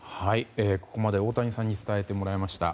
ここまで太谷さんに伝えてもらいました。